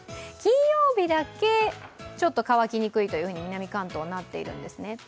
金曜日だけちょっと乾きにくいと南関東なっているんですね。